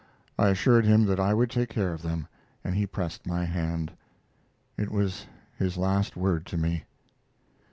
I assured him that I would take care of them, and he pressed my hand. It was his last word to me.